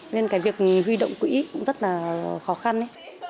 nên cái việc huy động quỹ cũng rất là khó khăn